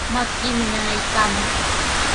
Makiimi nanaykaaman.